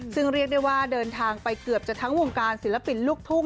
ซึ่งเรียกได้ว่าเดินทางไปเกือบจะทั้งวงการศิลปินลูกทุ่ง